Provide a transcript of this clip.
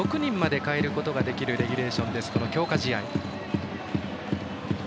６人まで代えることができるレギュレーションの強化試合